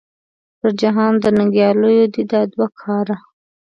پر جهان د ننګیالو دې دا دوه کاره .